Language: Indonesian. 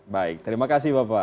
baik terima kasih bapak